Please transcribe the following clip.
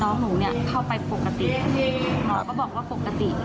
น้องหนูเข้าไปปกติครับหมอบอกว่าปกติ